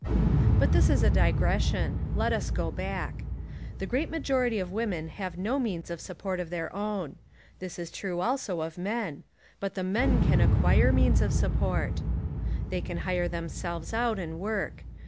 But this is a digression. Let us go back. The great majority of women have no means of support of their own. This is true also of men. But the men can acquire means of sup port. They can hire themselves out and work.